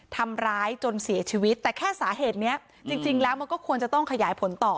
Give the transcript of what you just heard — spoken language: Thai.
ทำร้ายจนเสียชีวิตแต่แค่สาเหตุเนี้ยจริงแล้วมันก็ควรจะต้องขยายผลต่อ